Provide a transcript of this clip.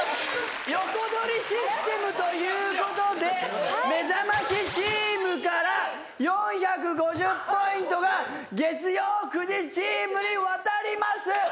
横取りシステムということでめざましチームから４５０ポイントが月曜９時チームに渡ります。